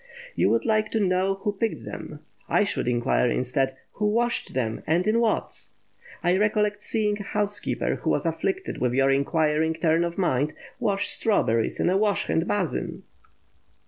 You would like to know who picked them. I should inquire instead, "Who washed them, and in what?" I recollect seeing a housekeeper, who was afflicted with your inquiring turn of mind, wash strawberries in a wash hand basin!